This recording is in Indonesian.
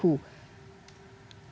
yang diproduksi dengan bahan baku